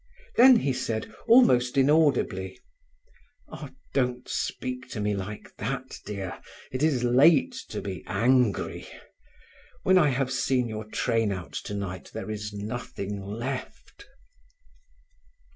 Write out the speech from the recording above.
Then he said, almost inaudibly: "Ah, don't speak to me like that, dear. It is late to be angry. When I have seen your train out tonight there is nothing left."